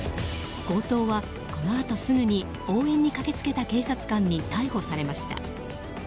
強盗はこのあとすぐに応援に駆け付けた警察官に逮捕されました。